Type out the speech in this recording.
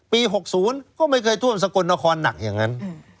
๖๐ก็ไม่เคยท่วมสกลนครหนักอย่างนั้น